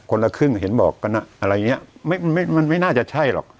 คนละครึ่งเห็นบอกกันอะไรอย่างเงี้ยมันไม่น่าจะใช่หรอก